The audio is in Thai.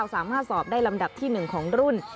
สามารถสอบได้ลำดับที่๑ของรุ่น